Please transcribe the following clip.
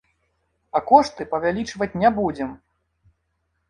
А кошты павялічваць не будзем.